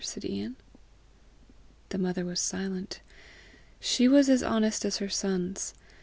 said Ian. The mother was silent. She was as honest as her sons.